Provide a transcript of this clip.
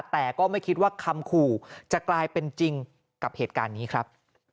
แต่ก็ไม่คิดว่าคำขู่จะกลายเป็นจริงกับเหตุการณ์นี้ครับ